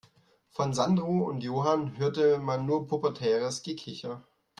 Von Sandro und Johann hörte man nur pubertäres Gekicher.